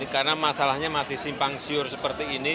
karena masalahnya masih simpang siur seperti ini